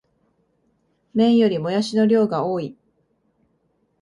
麺よりもやしの量が多い